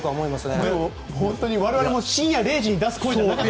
でも本当に我々も深夜０時に出す声じゃなかった。